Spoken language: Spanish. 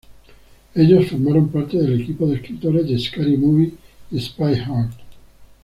Ellos formaron parte del equipo de escritores de "Scary Movie" y "Spy Hard".